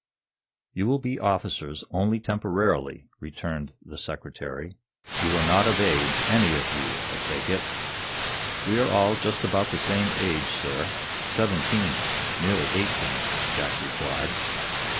"You will be officers only temporarily," returned the Secretary. "You are not of age, any of you, I take it." "We are all just about the same age, sir seventeen, nearly eighteen," Jack replied.